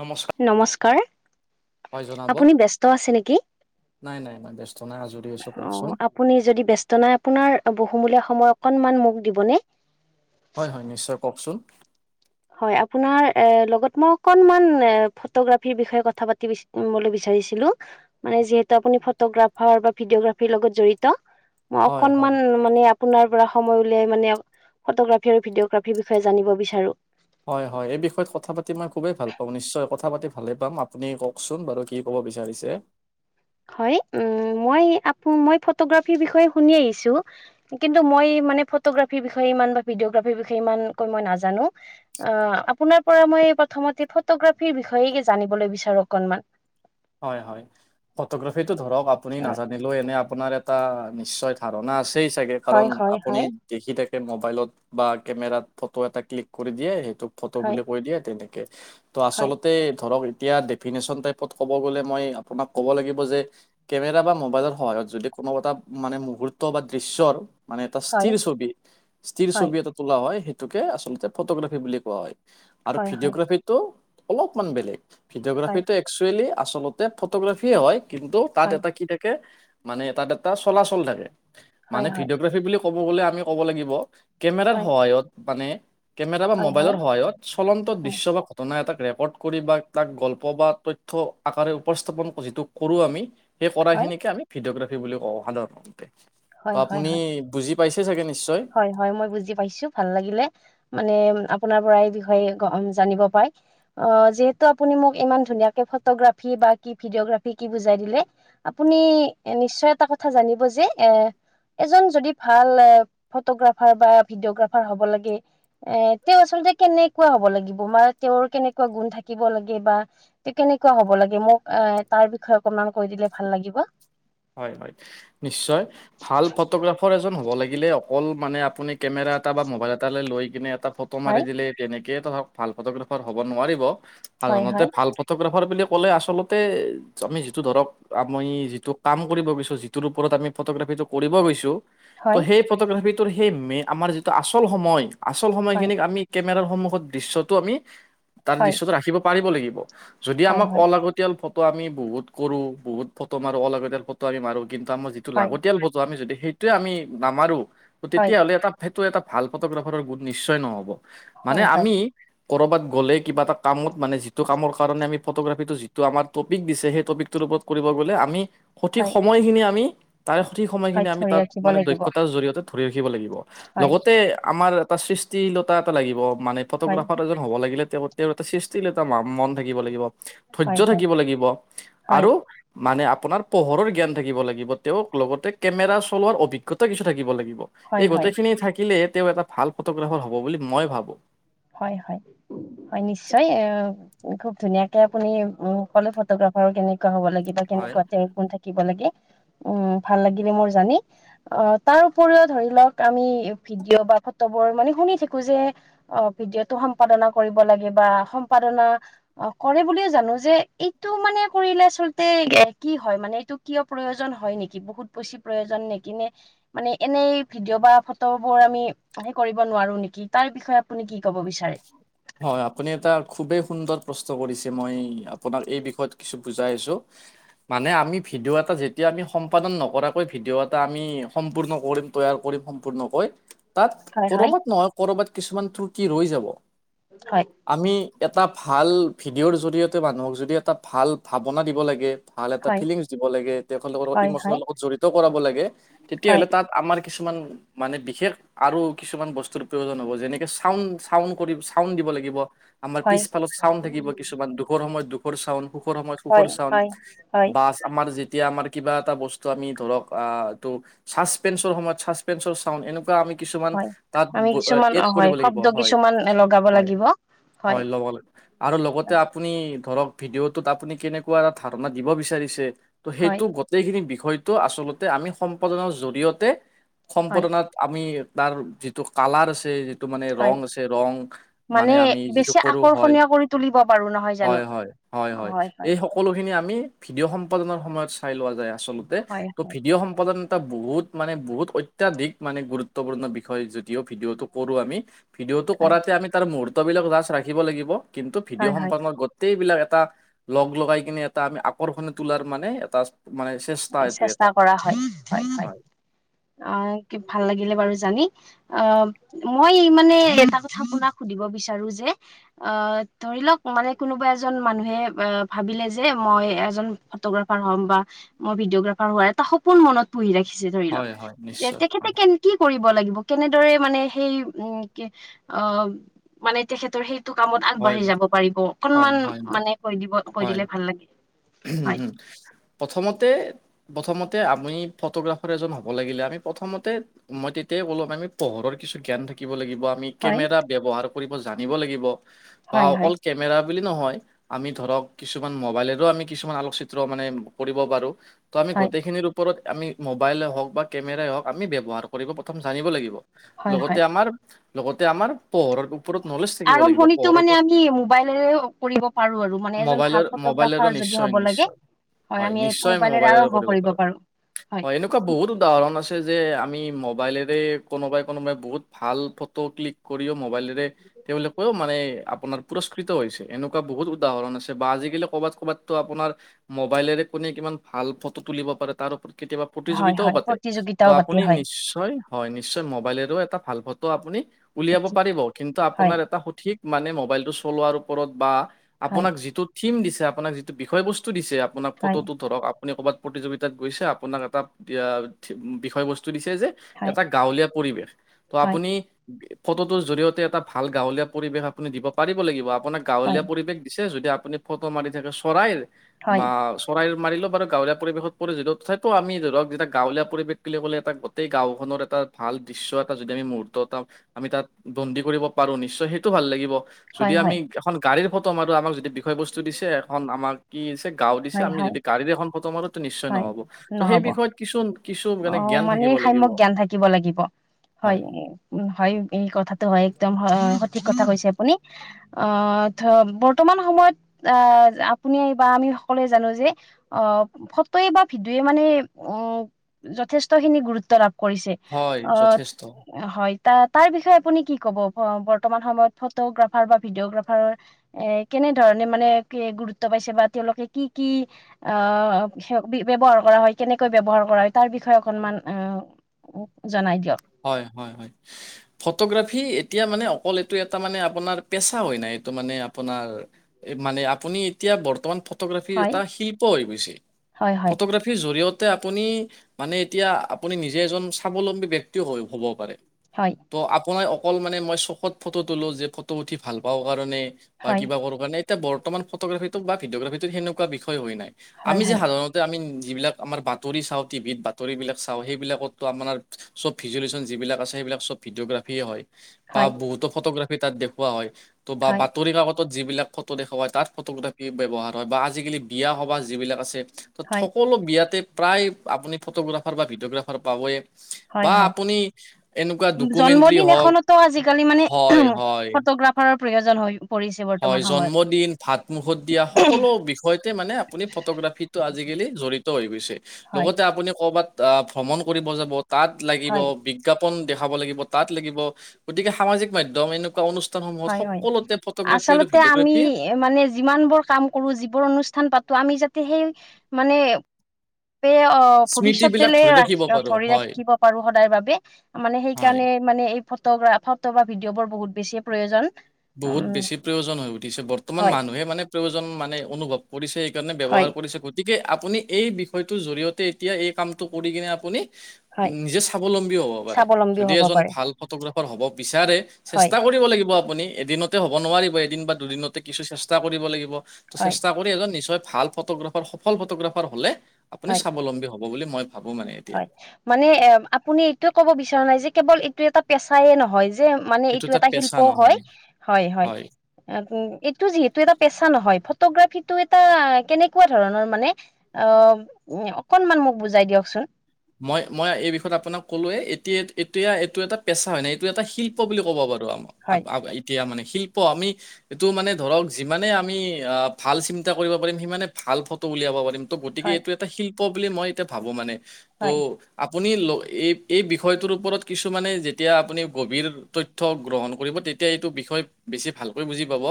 নমস্কাৰ, নমস্কাৰ হয় জনাব। আপুনি ব্যস্ত আছে নেকি? নাই নাই নাই বে অ আপুনি যদি ব্যস্ত নাই আপোনাৰ বহুমূলীয়া সময়। অকনমান মখ দিবনে? হয় হয় নিশ্চয় কওকচোন। হয় আপোনাৰ লগত মই অকণ ফটোগ্ৰাফীৰ বিষয়ে কথা পাতি শুনিছিলো মানে যিহেতু আপুনি ফটোগ্ৰাফীৰ ৰ লগত জঢ়িত। হয় হয়। অকনমান মানে আপোনাৰ পৰা। সময় উলিয়াই মানে ফটোগ্ৰাফী আৰু ভিডিঅগ্ৰাফীৰ বিষয়ে জানিব বিচাৰো। হয় হয় এই বিষয়ত কথা পাতি মই খুবে ভাল পাওঁ, নিশ্চিয় পাতি ভাল পক বাৰু কি ক বিচাৰিছে। হয় উ মই আক ফটোগ্ৰাফীৰ বিষয়ে শুনি আহিছো কিন্তু মই মই মানে ফটো গ্ৰাফিৰ বিষয়ে ইমান ভিদিও গ্ৰফিৰ বিষয়ে নাজানো, আপোনাৰ পৰা মই প্ৰথমতে ফটোগ্ৰাফিৰ বিষয়ে জানিবলৈ বিচাৰো অকনমান। হয় হয় ফটোগ্ৰাফীটো ধৰক আপুনি নাজানিলেও এনে আপোনাৰ এটা নিশ্চয় ধাৰণা আছেই চাগে হয় কাৰণ হয় আপুনি হয় দেখি দে মোবাইলত বা কেমেৰাত ফটো এটা ক্লিক কৰি দিয়ে সেই ফটো হয় বুলি কৈ দিয়ে তেনেকে ত হয় আচলতে ধৰক এতিয়া ডফিনেচন টাইপত ক'ব গলে মই আপোনাক ক'ব লাগিব যে কেমেৰা বা মোবাইলৰ সহায়ত যদি কোনো এটা মানে মুহুৰৰ্ত বা দৃশ্যৰ মানে এটা হয় স্থিৰ ছবি স্থিৰ হয় ছবি এটা তোলা হয় সেইটোকে আচলতে ফটোগ্ৰাফি বুলি কোৱা হয়। আৰু হয় হয় ভিডিঅগ্ৰাফীটো অলপমান বেলেগ হয় ভিডিঅগ্ৰাফীটো একচুৱেলি আচলতে ফটোগ্ৰাফি হয় কিন্তু তাত হয় এটা কি থাকে। মানে এ তাত এটা চলাচল থাকে হয় মানে হয় ভিডিঅগ্ৰাফি বুলি ক'ব গলে আমি ক'ব লাগিব। হয় কেমেৰাৰ হয় সহায়ত মানে কেমেৰা বা হয় হয় হয় মোবাইলৰ সহায়ত চলন্ত দৃশ্য বা ঘটনা এটা, ৰেকৰ্ড কৰি বা তাক গল্প বা তথ্য আকাৰে উপস্থাপন যিটো কৰো আমি সেই কৰা হয় খিনিকে আমি ভিডিঅগ্ৰাফি বুলি কওঁ সাধাৰণতে বা হয় হয় আপুনি হয় বুজি পাইছে চাগে নেকি? হয় হয় মই বুজি পাইছো ভাল লাগিলে মানে আপোনাৰ পৰা এই বিষয়ে জানিব পাই অ, যিহেতু আপুনি মোক ইমান ধুনীয়াকে ফটোগ্ৰাফ বা কি ভিডিঅগ্ৰাফি কি বুজাই দিলে আপুনি নিশ্চয় এটা কথা জানিব যে এজন যদি ভাল ফটোগ্ৰাফাৰ বা ভিডিঅগ্ৰাফাৰ হব লাগে এ তেওঁ আচলতে কেনেকুৱা হব লাগিব মাৰ তেওঁৰ কেনেকুৱা গুণ থাকিব লাগে বা তেওঁ কেনেকুৱা হব লাগে মোক এ তাৰ বিষয়ে অকনমান কৈ দি ভাল লাগিব। হয় হয় নিশ্চয় ভাল ফটোগ্ৰাফ এজন হ'ব লাগিলে অকল মানে আপুনি কেমেৰা এটা বা ম'বাইল এটালৈ লৈ কিনে ফটো মাৰি হয় দিলে তেনেকে ধ ভাল ফটোগ্ৰাফা হব নোৱাৰিব হয় সাধাৰণতে হয় ভাল ফটো গ্ৰাফাৰ বুলি ক'লে আচলতে আমি যিটো ধৰক আমি যিটো কাম কৰিব গৈছো যিটোৰ ওপৰত আমি ফটোগ্ৰাফীটো কৰিব গৈছো ত' হয় সেই ফটোগ্ৰাফী সেই মে আমাৰ যিটো আচল সময় আচল হয় সময়খিনিক আমি কেমেৰাৰ সন্মুখত দৃশ্যটো আমি তাৰ হয় দৃশ্যটো ৰাখিব পাৰিব লাগিব। যদি হয় আমাক হয় অলাগতিয়াল ফটো আমি বহুত কৰো, বহুত ফটো মাৰো অলাগতিয়াল ফটো আমি মাৰো কিন্তু আমাৰ যিটো হয় লাগতিয়াল বুজো আমি যদি সেইটোয়ে আমি নামাৰো হয় তেতিয়া হ'লে এটা টো এটা ভাল ফটোগ্ৰাফাৰৰ গুণ নিশ্চয় নহ'ব মানে হয় হয় আমি ক'ৰবাত গ'লে কিবা এটা কাম মানে যিটো কামৰ কাৰণে আমি ফটোগ্ৰাফীটো যিটো আমাৰ টপিক দিছে সেই টপিকটো ওপৰত কৰিব গ'লে আমি সঠিক হয় সময়খিনি আমি তাৰে সঠিক হয় সময়খিনি আমি ধৰি তাত ৰাখিব মানে লাগিব দক্ষতাৰ জৰিয়তে ধৰি লাগব হয় লগতে আমাৰ এটা সৃষ্টীলতা এটা লাগিব মানে হয় ফটোগ্ৰাফাৰ এজন হ'ব লাগিলে। তেওঁৰ এটা সৃষ্টিৰ এটা ম মন থাকিব লাগিব। ধৈৰ্য হয় হয় থাকিব লাগিব হয় আৰু মানে আপোনাৰ পোহৰৰ জ্ঞান থাকিব লাগিব, তেওঁক লগতে কেমেৰা চলোৱাৰ অভিজ্ঞতা কিছু থাকিব লাগিব হয় এই হয় গোটেই খিনি থাকিলে তেওঁ এটা ভাল ফটোগ্ৰাফাৰ হব বুলি মই ভাবো। হয়, হয়, হয় নিশ্চয় এ খুব ধুনীয়া তে আপুনি উ স কলে ফটোগ্ৰাফাৰো কেনেকুৱা হ'ব লাগিব বা হয় কেনেকুৱা কোন থাকিব লাগে। উম ভাল লাগিলে মোৰ জানি অ তাৰ উপৰিও ধৰি লওক আমি ভিডিঅ' বা। সত্বোৰ মানে শুনি থাকো যে। অ ভিডিঅ'টো সম্পাদনা কৰিব লাগে বা সম্পাদনা কৰে বুলিয়ে জানো যে এইটো। এইটো মানে কৰিলে আচলতে কি হয় মানে এইটো কিয় প্ৰয়োজন হয় নেকি বহুত বেছি প্ৰয়োজন নেকি? কিনে মানে এনেই ভিডিঅ' বা ফটো বোৰ আমি সে কৰিব নোৱাৰো নেকি তাৰ বিষয়ে। আপুনি কি ক'ব বিচাৰে হয় আপুনি এটা খুবেই সুন্দৰ প্ৰশ্ন কৰিছে মই আপোনাক এই বিষয়ত কিছু বুজাই আছো মানে আমি। ভিডিঅ' এটা যেতিয়া আমি সম্পাদন নকৰাকৈ ভিডিঅ' এটা আমি সম্পূৰ্ণ কৰিম তৈয়াৰ কৰিম সম্পূৰ্ণকৈ। তাত হয় হয় কৰবাত নহয় কৰবাত কিছুমান ত্ৰুটি ৰৈ যাব। হয় আমি এটা ভাল। ভিডিঅ'ৰ জৰিয়তে মানুহক যদি এটা ভাল ভাৱনা দিব লাগে। ভাল এটা হয় ফিলিংছ দিব লাগে তেখেতসলকৰ লগত হয় ইমচনেল হয় লগত জড়িত কৰাব লাগে হয় তেতিয়াহ'লে তাত আমাৰ। কিছুমান মানে বিশেষ আৰু কিছুমান বস্তুৰ প্ৰয়োজন হব যেনেকে চাউন চাউ। কৰি চাউণ্ড দিব লাগিব। আমাৰ হয় পিছফালত চাউণ্ড থাকিব কিছুমান দুখৰ সময়ত দুখৰ চাউণ্ড সুখৰ সময়ত সুখৰ হয় চাউণ্ড। হয় হয় বাছ আমাৰ যি। এতিয়া আমাৰ কিবা এটা বস্তু আমি ধৰক আহ এইটো চাচপেন্চৰ সময়ত চাচপেচৰ চাউন এনেকুৱা আমি। কিছুমান হয় তাত আমি কিছুমান এড অ হয় কৰিব লাগিব শব্দ হয়। কিছুমান লগাব হয় লাগিব হয় লব লাগিব আৰু লগতে আপুনি ধৰক ভিদিওতোত আপোনি কেনেকোৱা ধাৰনা দিব বিচাৰিছে ত হয় সেইটো গোটেইখিনি বিষয় হয়তো আচলতে আমি সম্পদনৰ জৰিয়তে হয় সম্পদনাত আমি। তাৰ যিটো কালাৰ আছে যিটো মানে হয় ৰং আছে। ৰং মানে আমি যিটো বেছি কৰো হয় আকৰ্ষণীয় কৰি তুলিব পাৰো নহয় জানো হয় হয় হয় হয়। এই সকলোখিনি আমি ভিডিঅ' সম্পাদনৰ সময়ত চাই লোৱা যায় আচলতে হয় ত' হয় ভিডিঅ' সম্পাদন। এটা বহুত মানে বহুত অত্যাধিক মানে গুৰুত্বপূৰ্ণ বিষয় যদিও ভিডিঅ'টো কৰো আমি। ভিডিঅ'টো হয় কৰাতে আমি তাৰ মুহৰ্তবিলাক লাচ ৰাখিব লাগিব কিন্তু হয় ভিডিঅ' হয় সম্পন্ন। গোটেইবিলাক এটা লগ লগাই কিনে এটা আমি আকৰ্ষণ তোলাৰ মানে এটা। মানে এইটো এটা। চেষ্টা কৰা হয় হয় হয় অ কি ভাল লাগিল। বাৰু জানি আহ মই মানে এটা কথা আপোনাক সুধিব বিচাৰো যে অ ধৰি লওক মানে কোনোবা এজন মানুহে অ ভাবিলে যে মই এজন ফটোগ্ৰাফাৰ। হম বা। মই ভিডিঅগ্ৰাফাৰ হোৱাৰ এটা সপোন মনত পুহি ৰাখিছে ধৰি হয়, লওক হয় যে নিশ্চয়। তেখেতে হয়, কেন কি। কৰিব লাগিব কেনেদৰে মানে সেই উ কি অ মানে তেখেতৰ সেই। কোনটো কামত হয়, আগবাঢ়ি যাব পাৰিব হয়, অকনমান মানে কৈ দিব কৈ দিলে ভাল লাগে। উম হয় হুম প্ৰথমতে। প্ৰথমতে আমি ফটোগ্ৰাফাৰ এজন হ'ব লাগিলে আমি প্ৰথমতে মই তেতিয়াই ক'ম আমি। পোহৰৰ কিছু জ্ঞীয়ান থাকিব লাগিব। বা আমি হয় কেমেৰা ব্যৱহাৰ কৰিব জানিব লাগিব বা হয় হয় অকল কেমেৰা। বুলি নহয় আমি ধৰক কিছুমান মোবাইলেৰো আমি কিছুমান আলোকচিত্ৰ মানে কৰিব পাৰো। ত' আমি হয় গোটেইখিনিৰ ওপৰত আমি মোবাইলে হওঁক বা কেমেৰাই হওঁক আমি ব্যৱহাৰ কৰিব পাৰোঁ। প্ৰথম জানিব লাগিব হয় লগতে হয় আমাৰ লগতে আমাৰ পোহৰৰ। ওপৰত নলেজ থাকিব লাগিব আৰম্ভণিটো পোহৰ মানে ওপৰত আমি মোবাইলেৰে কৰিব পাৰো আৰু মানে এজন ভাল মবাইলৰ মবাইলৰ ফটোগ্ৰাফাৰ [unintelligible] নিয় যদি হয় হ'ব লাগে নিশ্চয়। হয় নিশ্চয় মোবাইলৰে কৰিব পাৰো হয় এনেকুৱা বহুত উদাহৰণ আছে যে। আমি মোবাইলেৰে কোনোবাই কোনোবাই বহুত ভাল ফটো ক্লিক কৰিও মোবাইলে। তেওঁলোকেও মানে। আপোনাৰ পুৰস্কৃত হৈছে এনেকুৱা বহুত উদাহৰণ আছে বা আজিকালি কৰ'বাত। ত আপোনাৰ মোবাইলেৰে কোনে কিমান ভাল ফটো তুলিব পাৰে তাৰ। কেতিয়াবা হয় প্ৰতিযোগিতাও হয় পাতে ত' প্ৰতিযোগিতাও পাতে আপুনি হয় নিশ্চয় হয় নিশ্চয় মোবাইলেৰো এটা ভাল পথ ত আপুনি উলিয়াব পাৰিব কিন্তু হয় আপোনাৰ এটা সঠিক মানে মোবাইলটো চলোৱাৰ ওপৰত বা হয় আপোনাক যিটো থিম দিছে আপোনাক যিটো বিষয় বস্তু দিছে আপোনাক হয় ফটোটো ধৰক আপুনি ক'ৰবাত প্ৰতিযোগিতাত গৈছে আপোনাক এটা এতিয়া বিষয়বস্তু দিছে যে হয় এটা গাঁৱলীয়া পৰিৱেশ ত হয় আপুনি ফটোটোৰ জৰিয়তে এটা ভাল গাঁৱলীয়া পৰিবেশ আপুনি দিব পাৰিব লাগিব আপোনাক হয় গাঁৱলীয়া পৰিবেশ দিছে যদি আপুনি ফটো মাৰি থাকে চৰাইৰ হয় বা চৰাইৰ মাৰিলো বাৰু গাঁৱলীয়া পৰিৱেশত পৰি যি টো আমি ধৰক যেতিয়া গাঁৱলীয়া পৰিৱেশ বুলি ক'লে এটা গোটেই গাঁওখনত এটা ভাল দৃশ্য এটা যদি আমি মুহুৰ্ত এটা আমি তাত বন্দী কৰিব পাৰো নিশ্চয় সেইটো ভাল লাগিব যদি হয় আমি হয় এখন গাড়ীৰ ফটো মাৰো আমাক যদি বিষয় বস্তু দিছে খন আমাক কি দিছে গাও দিছে হয় আমি হয় যদি গাড়ীৰে এখন ফটো মাৰো ত নিশ্চয় হয় নহব ত' সেই নহ'ব বিষয়ত কিছু অ জ্ঞান মানে থাকিব লাগিব সাম্যক জ্ঞান থাকিব লাগিব হয় হয় এই কথাটো হয় একদম। ঠিক কথা কৈছে আপুনি আহ ধ বৰ্তমান সময়ত আহ আপুনি বা আমি। সলে জানো যে অ ফটোয় বা ভিডিঅ মানে অ যথেষ্ট খিনি গুৰুত্ব লাভ কৰিছে হয় আহ যথেষ্ট হয়। তাৰ বিষয়ে আপুনি কি ক'ব বৰ্তমান সময়ত ফটোগ্ৰাফাৰ বা ভিডিঅগ্ৰাফাৰ এ কেনে? কেনে ধৰণে মানে কি গুৰুত্ব পাইছে বা তেওঁলোকে কি কি অ ব্যৱহাৰ কৰা। কেনেকৈ ব্যৱহাৰ কৰা হয় তাৰ বিষয়ে অকনমান জনাই দিয়ক হয়, হয়, হয় ফটোগ্ৰাফি। এতিয়া মানে অকল এইটো এটা মানে আপোনাৰ পেচা হয় নাই এইটো মানে আপোনাৰ মানে আপুনি এতিয়া। এতিয়া বৰ্তমান ফটোগ্ৰাফীৰ হয় এটা শিল্প হৈ গৈছে হয় হয় ফটোগ্ৰাফীৰ জৰিয়ত। আপুনি মানে এতিয়া আপুনি নিজে এজন স্বাৱলম্বী ব্ক্তিও হ'ব পাৰে। হয় ত' আপোনাৰ অকল মানে মই চকত ফটো তলো যে ফটো উঠি ভাল পাওঁ কাৰণে। বা হয় কিবা কৰো কাৰণ এটা বৰ্তমান ফটোগ্ৰফীটো বা ভিডিঅোগ্ৰফীটো হেনেকুৱা বিষয় নাই হয় আমি হয় যে সাধাৰণতে আমি যিবিলাক আমাৰ বাতৰি চাওঁ টিভিত বাতৰিবিলাক চাওঁ সেইবিলাকতো আমাৰ। চব ভিজুৱুলেশচন যিবিলাক আছে সেইবিলাকব ভিডিঅগ্ৰাফিয় হয় বা হয় বহুতো ফটোগ্ৰাফী তাত দেখুওৱা ত' বা হয় বাতৰি কাকত। তত যিবিলাক ফটো দেখা হয় তাত ফটোগ্ৰাফী ব্যৱহাৰ হয় বা আজিকালি বিয়া সবাহ যিবিলাক আছে। ত হয় সকলো বিয়াতে প্ৰায় আপুনি ফটোগ্ৰাফাৰ বা ভিডিঅগ্ৰাফাৰ পাবই। হয় হয় ডকুমেণ্টৰী জন্মদিন হওক এখনতো আজিকালি মানে উ হয়, হয়, ফটোগ্ৰাফাৰৰ। প্ৰয়োজন হয়। হয় জন্মদিন ভাত মুখত দিয়া সকলো বিষয়তে মানে আপুনি ফটোগ্ৰাফীটো আজিকালি। জঢ়িত হৈ গৈছে হয় লগতে আপুনি কৰ'বাত আহ ভ্ৰমণ কৰিব যাব তাত লাগিব হয় বিজ্ঞাপ ন দেখাব লাগিব তাত লাগিব গতিকে সামাজিক মাধ্যম এনেকুৱা অনুষ্ঠানসমূহত হয় হয় সকলো। আচলতে আমি মানে যিমান বোৰ কাম কৰো যিবোৰ অনুষ্ঠান পাতো আমি যাতে সেই। মানে? অ স্মৃতিবিলাক ভৱিষ্যতেলে ধৰি ৰা ৰাখিব পাৰো ধৰি হয়, ৰাখিব পাৰো সদায় বাবে মানে হয়। সেইকাৰণে মানে। ম এই ফ্ৰ ফটো বা ভিডিঅ' বোৰ বহুত বেছি। প্ৰয়োজন বহুত উম বেছি প্ৰয়োজন হৈ উঠিছে বৰ্তমান হয় মানুহে মানে প্ৰয়োজন মানে অনুভৱ কৰিছে। কাৰণে ব্যৱহাৰ হয় কৰিছে গতিকে আপুনি এই বিষয়টোৰ জৰিয়তে এতিয়া এই কামটো কৰি কিনে আপুনি? হয় নিজে স্বাৱলম্বীও হ'ব পাৰে স্বাৱলম্বী যদি হব এজন পাৰে ভাল ফটোগ্ৰাফাৰ হ'ব। বিচাৰে হয় চেষ্টা কৰিব লাগিব আপুনি। এদিনতে হব নোৱাৰিব এদিন বা দুদিনতে কিছু চেষ্টা কৰিব লাগিব ত হয় চেষ্টা কৰি এজন নিশ্চয়। ভাল ফটোগ্ৰাফাৰ সফল ফটোগ্ৰাফাৰ হলে আপুনি হয় স্বাৱলম্বী হব বুলি মই। ভাবো মানে এতিয়া হয় মানে এ আপুনি এইটোয়ে কব বিচৰা নাই যে কেৱল এইটো এটা পেছাইে নহয় যে যে মানে এইটো তাত এটা শিল্প পেচা হয়, নহয় হয়, হয়। উ এইটো যিহেতু এটা পেছা নহয়। ফটোগ্ৰাফীটো এটা কেনেকুৱা ধৰণৰ মানে অ অকনমান মোক বুজাই দিয়কচোন। মই মই এই বিষয়ত আপোনাক। কলোৱে এতিয়া এতিয়া এইটো এটা পেচা হয় নাই এইটো এটা শিল্প বুলি ক'ব পাৰো আমাৰ হয় এতিয়া মানে। শিল্প আমি এইটো মানে ধৰক যিমানে আমি আ ভাল চিন্তা কৰিব পাৰিম সিমানে ভাল ফটো উলিয়াব পাৰিম ত গতিকে হয় এইটো এটা শিল্প বুলি মই এতিয়া ভাবো মানে ত হয় আপুনি এই এই বিষয়টোৰ ওপৰত কিছুমানে যেতিয়া আপুনি গভীৰ তথ্য গ্ৰহণ কৰিব তে তিয়া এইটো বিষয় বেছি ভালকৈ বুজি পাব।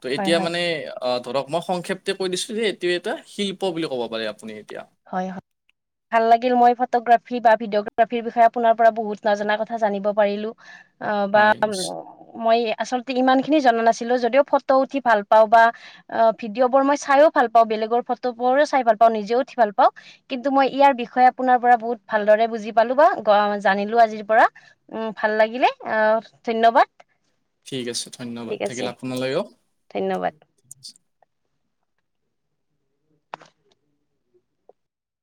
ত হয় এতিয়া হয় মানে অ ধৰক মই সংক্ষেপ্তে কৈ দিছিলো যে এইটো এটা শিল্প বুলি কব পাৰে আপুনি। এতিয়া হয়, হয় ভাল লাগিল মই ফটোগ্ৰাফী বা ভিডিঅগ্ৰাফীৰ বিষয়ে আপোনাৰ পৰা বহুত নজনা কথা জানিব পাৰিলো অ বা হয় মই আচলতে ইমান খিনি জনা নাছিলো যদিও ফটো উঠি ভাল পাওঁ বা অ ভিডিঅ' বোৰ মই চাইো ভাল পাও বে বেগৰ ফটোবোৰো চাই ভাল পাও নিজে উঠি ভাল কও কিন্তু মই ইয়াৰ বিষয়ে আপোনাৰ পৰা বহুত ভালদৰে বুজি পালো বা জানিলো আজিৰ পৰা উম ভাল লাগিলে অ ধন্যবাদ ঠিক আছে ধন্যবাদ ঠিক আছে থাকিল আপোনালৈও ধন্যবাদ। [unintelligible]